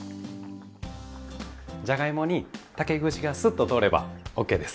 じゃがいもに竹串がスッと通ればＯＫです。